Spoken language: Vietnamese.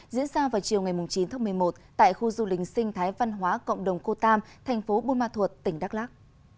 diễn ra vào chiều chín một mươi một tại khu du lịch sinh thái văn hóa cộng đồng cô tam tp buôn ma thuột tỉnh đắk lắk